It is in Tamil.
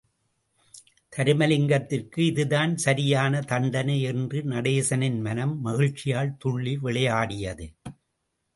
தருமலிங்கத்திற்கு இதுதான் சரியான தண்டனை என்று நடேசனின் மனம் மகிழ்ச்சியால் துள்ளி விளையாடியது.